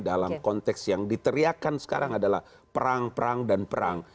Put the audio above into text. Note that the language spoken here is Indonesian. dalam konteks yang diteriakan sekarang adalah perang perang dan perang